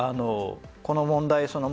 この問題